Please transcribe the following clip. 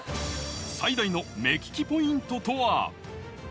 最大の目利きポイントとは？